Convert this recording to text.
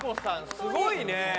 すごいね！